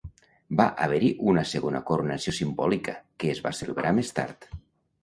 Va haver-hi una segona coronació simbòlica que es va celebrar més tard.